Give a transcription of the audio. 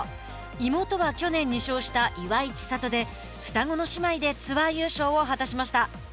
妹は去年２勝した岩井千怜で双子の姉妹でツアー優勝を果たしました。